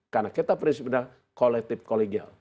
karena kita prinsipnya kolektif kol gel